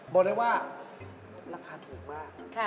บอกเลยว่าราคาถูกมาก